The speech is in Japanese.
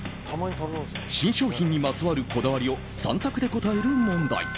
新商品にまつわるこだわりを３択で答える問題。